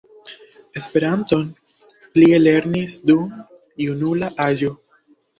Esperanton li ellernis dum junula aĝo.